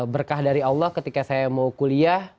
berkah dari allah ketika saya mau kuliah